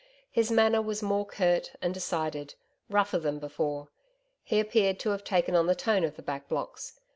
His manner was more curt and decided rougher than before. He appeared to have taken on the tone of the Back Blocks.